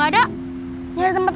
udah ikut udah